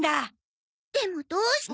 でもどうして？